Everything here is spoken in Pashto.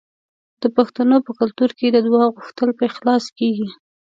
د پښتنو په کلتور کې د دعا غوښتل په اخلاص کیږي.